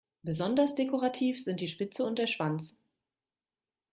Besonders dekorativ sind die Spitze und der Schwanz.